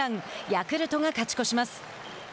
ヤクルトが勝ち越します。